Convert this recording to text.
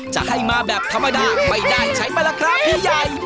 จะให้มาแบบธรรมดาไม่ได้ใช้ปะล่ะครับพี่ใหญ่